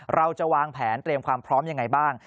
เราจะวางแผนเตรียมความพร้อมยังไงบ้าง